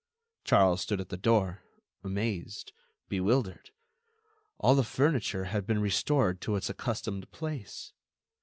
Charles stood at the door, amazed, bewildered; all the furniture had been restored to its accustomed place.